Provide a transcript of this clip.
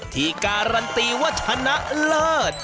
ที่การันตีว่าชนะเลิศ